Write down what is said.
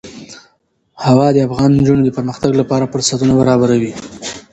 هوا د افغان نجونو د پرمختګ لپاره فرصتونه برابروي.